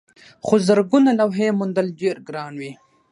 خو زرګونه لوحې موندل ډېر ګران وي.